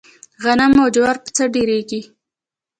غنم او جوار په څۀ ډېريږي؟